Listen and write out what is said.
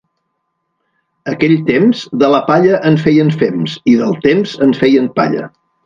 Aquell temps de la palla en feien fems i del temps en feien palla.